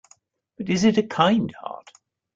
But is it a kind heart?